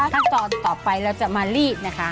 ขั้นตอนต่อไปเราจะมารีดนะคะ